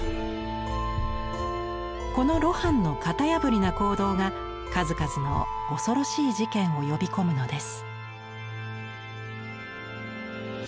この露伴の型破りな行動が数々の恐ろしい事件を呼び込むのです。